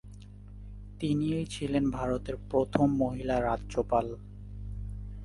তিনিই ছিলেন ভারতের প্রথম মহিলা রাজ্যপাল।